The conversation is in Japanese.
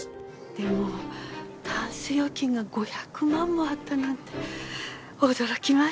でもタンス預金が５００万もあったなんて驚きました。